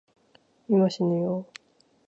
今、しぬよぉ